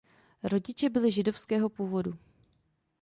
Rodiče byli židovského původu.